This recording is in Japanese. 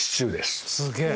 すげえ。